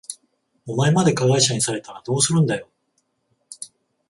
お前まで加害者にされたらどうするんだよ。